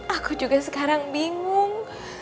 aku juga sekarang bingung